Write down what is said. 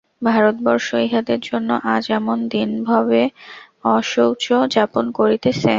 ভারতবর্ষ ইহাদের জন্য আজ এমন দীনভাবে অশৌচ যাপন করিতেছে।